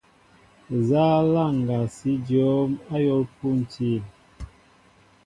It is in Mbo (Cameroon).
Nza laŋga si jǒm ayȏl pȗntil ?